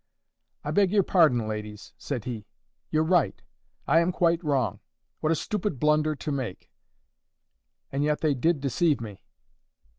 "I beg your pardon, ladies," said he, "you're right. I am quite wrong. What a stupid blunder to make! And yet they did deceive me.